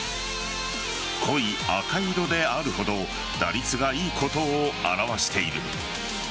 濃い赤色であるほど打率がいいことを表している。